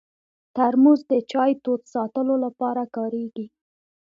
ترموز د چای تود ساتلو لپاره کارېږي.